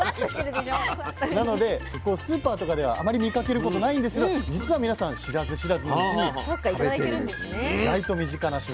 なのでスーパーとかではあまり見かけることないんですけど実は皆さん知らず知らずのうちに食べている意外と身近な食材なんです。